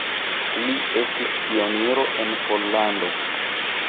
Li estis pioniro en Pollando.